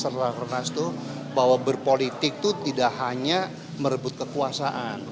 dan saya rasa pak setelah keras itu bahwa berpolitik itu tidak hanya merebut kekuasaan